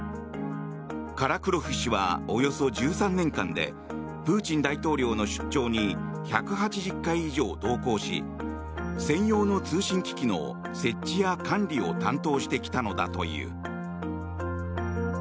カラクロフ氏はおよそ１３年間でプーチン大統領の出張に１８０回以上同行し専用の通信機器の設置や管理を担当してきたのだという。